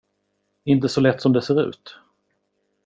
Inte så lätt som det ser ut.